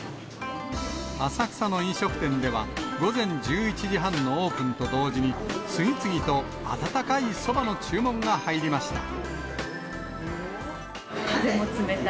浅草の飲食店では、午前１１時半のオープンと同時に、次々と温かいそばの注文が入りました。